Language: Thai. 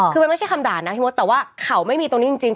คือมันไม่ใช่คำด่านะพี่มดแต่ว่าเขาไม่มีตรงนี้จริง